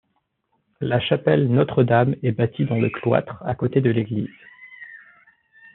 La chapelle Notre-Dame est bâtie dans le cloître à côté de l'église.